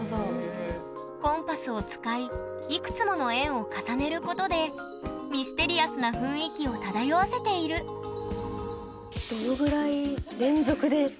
コンパスを使いいくつもの円を重ねることでミステリアスな雰囲気を漂わせているうわすごい。